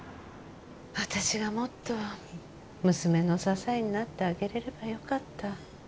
私がもっと娘の支えになってあげれればよかった